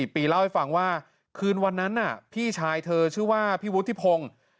ปีเล่าให้ฟังว่าคืนวันนั้นพี่ชายเธอชื่อว่าพี่วุฒิพงศ์